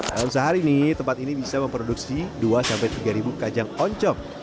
dalam sehari nih tempat ini bisa memproduksi dua tiga ribu kajang oncom